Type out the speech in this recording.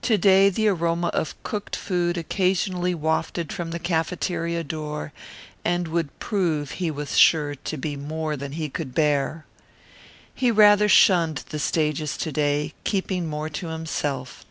To day the aroma of cooked food occasionally wafted from the cafeteria door would prove, he was sure, to be more than he could bear. He rather shunned the stages to day, keeping more to himself.